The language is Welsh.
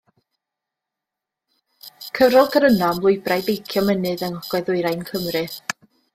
Cyfrol gryno am lwybrau beicio mynydd yng Ngogledd Ddwyrain Cymru.